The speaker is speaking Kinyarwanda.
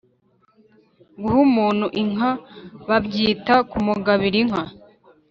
Guha umuntu inka babyita kumugabira inka